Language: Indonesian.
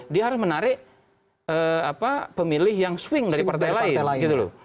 dia harus menarik pemilih yang swing dari partai lain